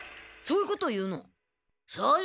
そういうこと言う。